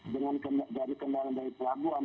dari kendaraan dari pelaguan